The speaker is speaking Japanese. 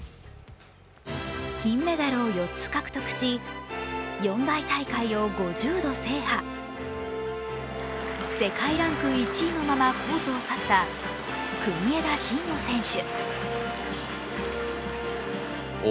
金メダルを４つ獲得し４大大会を５０度制覇、世界ランク１位のままコートを去った国枝慎吾選手。